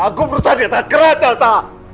aku berusaha dengan sangat keras elsa